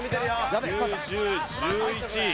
９・１０・１１